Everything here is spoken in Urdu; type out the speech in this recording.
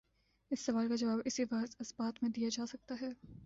اس سوال کا جواب اسی وقت اثبات میں دیا جا سکتا ہے۔